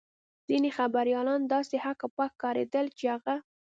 ځینې خبریالان داسې هک پک ښکارېدل چې هغه.